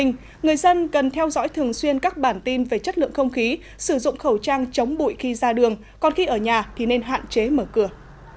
người dân cần theo dõi thường xuyên các bản tin về chất lượng không khí sử dụng khẩu trang chống bụi khi ra đường còn khi ở nhà thì nên hạn chế mở cửa